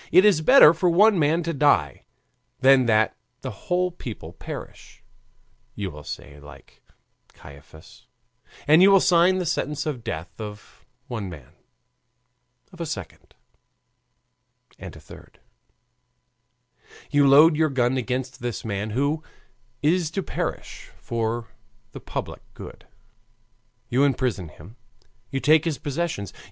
It is better for one man to die than that the whole people perish, you will say like Caiaphas, and you sign the sentence of death of one man, of a second, and a third; you load your gun against this man who is to perish for the public good, you imprison him, you take his possessions.